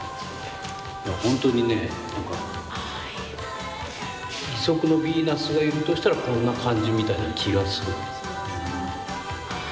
ほんとにね義足のビーナスがいるとしたらこんな感じみたいな気がするんです。